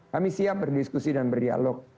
kami siap berdiskusi dan berdialog